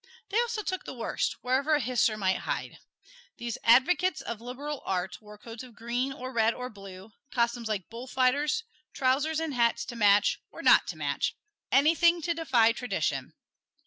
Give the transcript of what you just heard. They also took the worst, wherever a hisser might hide. These advocates of liberal art wore coats of green or red or blue, costumes like bullfighters, trousers and hats to match or not to match anything to defy tradition.